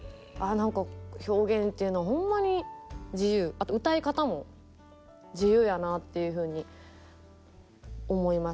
何か表現っていうのはほんまに自由あと歌い方も自由やなっていうふうに思います。